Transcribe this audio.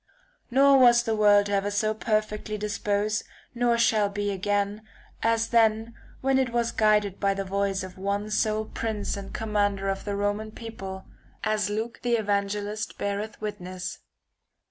Nor was the world ever so perfectly disposed, U.] nor shall be again, as then when it was guided by the voice of one sole prince and commander 248 THE CONVIVIO Ch. Universal of the Roman people, as Luke the evangelist peace beareth witness.